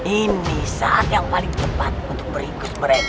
ini saat yang paling tepat untuk berikut mereka